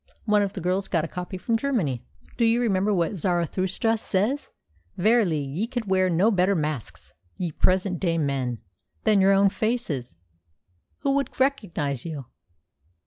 One of the girls got a copy from Germany. Do you remember what Zarathustra says: 'Verily, ye could wear no better masks, ye present day men, than your own faces,' Who could recognise you?"